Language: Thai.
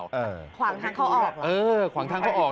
ขวางทางเข้าออกเหรอเออขวางทางเข้าออก